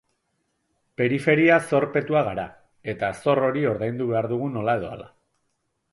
Periferia zorpetua gara, eta zor hori ordaindu behar dugu nola edo hala.